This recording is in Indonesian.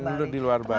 jangan di luar bali